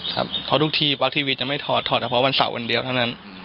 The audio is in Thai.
เพราะทุกทีปั๊กทีวีจะไม่ถอดถอดเฉเเปราะวันเสาร์คนเดียวเท่านั้น